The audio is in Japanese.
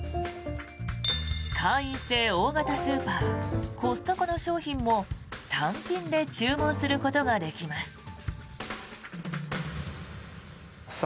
会員制大型スーパーコストコの商品も単品で注文することができます。